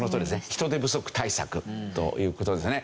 人手不足対策という事ですね。